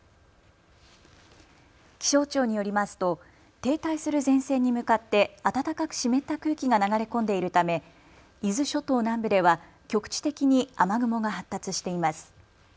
気象庁によりますと停滞する前線に向かって暖かく湿った空気が流れ込んでいるため伊豆諸島南部では局地的に雨雲が発達しています。